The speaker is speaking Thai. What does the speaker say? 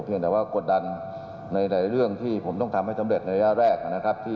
แต่ว่ากดดันในหลายเรื่องที่ผมต้องทำให้สำเร็จในระยะแรกนะครับ